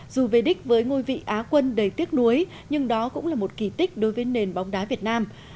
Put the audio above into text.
dù về đích với ngôi vị á quân đầy tiếc nuối nhưng đó cũng là một kỳ tích đối với nền bóng đá việt nam